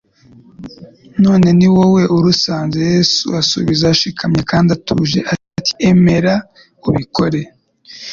none ni wowe urusanze !" Yesu asubiza ashikamye kandi atuje ati : "emera ubikore,